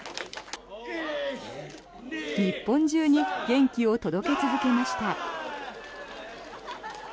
日本中に元気を届け続けました。